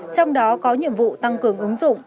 trong đó có nhiệm vụ tăng cường ứng dụng